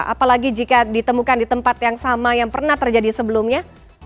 apalagi jika ditemukan di tempat yang sama yang pernah terjadi sebelumnya